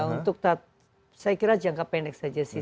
untuk saya kira jangka pendek saja sih